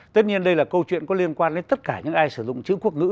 tất nhiên đây là câu chuyện có liên quan đến tất cả những ai sử dụng chữ quốc ngữ